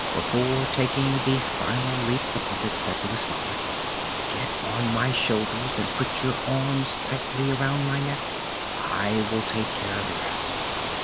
Before taking the final leap the puppet said to his father: "Get on my shoulders and put your arms tightly around my neck. I will take care of the rest."